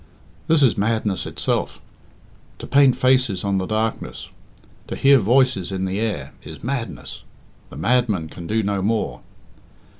"This is madness itself. To paint faces on the darkness, to hear voices in the air, is madness. The madman can do no more."